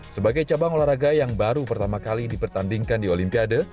sebagai cabang olahraga yang baru pertama kali dipertandingkan di olimpiade